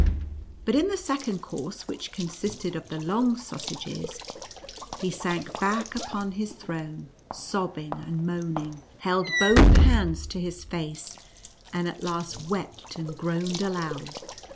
But in the second course, which consisted of the long sausages, he sank back upon his mTTCKACKER AM) MOUSE KETO. 6ö throne, sobbing and moaning, held botli bands to bis face, and at last wept and groaned aloud.